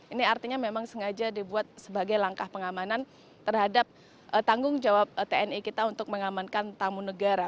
ini artinya memang sengaja dibuat sebagai langkah pengamanan terhadap tanggung jawab tni kita untuk mengamankan tamu negara